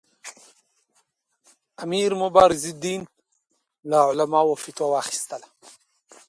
امیر مبارزالدین له علماوو فتوا واخیستله.